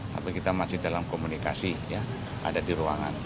tapi kita masih dalam komunikasi ya ada di ruangan